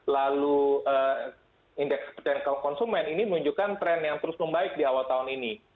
lalu indeks pertanian konsumen ini menunjukkan tren yang terus membaik di awal tahun ini